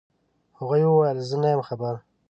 هغې وويل زه نه يم خبر.